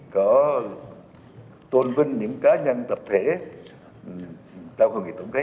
có tôn vinh những cá nhân tập thể trao hội nghị tổng kết